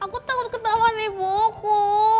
kok takut ketawa nih boko